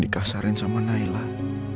atau apa yang ada di dalam rumah